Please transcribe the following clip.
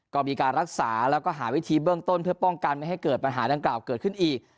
ก็มีการรักษาแล้วก็หาวิธีเบื้องต้นเพื่อป้องกันไม่ให้เกิดปัญหาดังกล่าวเกิดขึ้นอีก